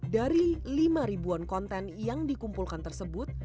dari lima ribuan konten yang dikumpulkan tersebut